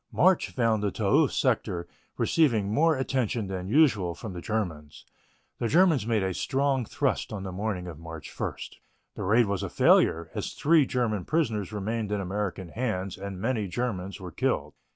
March found the Toul sector receiving more attention than usual from the Germans. The Germans made a strong thrust on the morning of March 1. The raid was a failure, as three German prisoners remained in American hands and many Germans were killed.